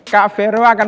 kak vero akan